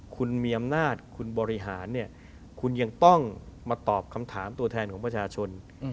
คุณมีอำนาจคุณบริหารเนี่ยคุณยังต้องมาตอบคำถามตัวแทนของประชาชน